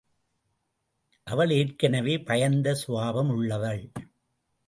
அவள் ஏற்கனவே பயந்த கபாவம் உள்ளவள்.